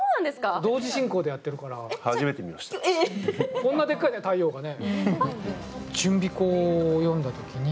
こんなでっかいね、太陽がね。